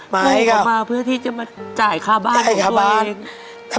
มาให้เขาเพื่อที่จะมาจ่ายค่าบ้านของตัวเองจ่ายค่าบ้าน